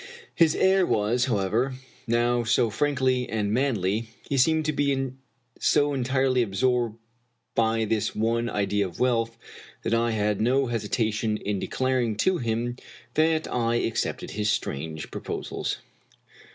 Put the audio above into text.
His air was, however, now so frank and manly, he seemed to be so entirely absorbed by his one idea of wealth, that I had no hesitation in de claring to him that I accepted his strange proposals.